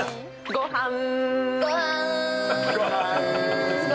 ごはん。